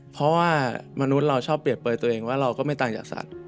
เพราะว่ามนุษย์เราชอบเปรียบเปลยตัวเองว่าเราก็ไม่ต่างจากสัตว์